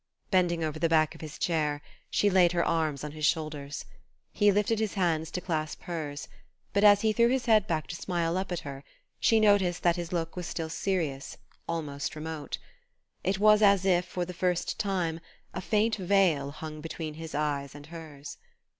Bending over the back of his chair, she laid her arms on his shoulders. He lifted his hands to clasp hers, but, as he threw his head back to smile up at her she noticed that his look was still serious, almost remote. It was as if, for the first time, a faint veil hung between his eyes and hers.